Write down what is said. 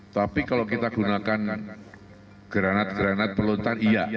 tapi kalau kita gunakan granat granat pelontar iya